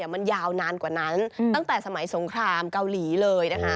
มันยาวนานกว่านั้นตั้งแต่สมัยสงครามเกาหลีเลยนะคะ